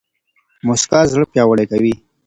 موسکا زړه پياوړی کوي